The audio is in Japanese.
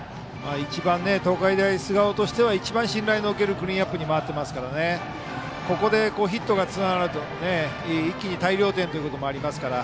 東海大菅生としては一番信頼の置けるクリーンナップに回ってますからここでヒットがつながると一気に大量点ということもありますから。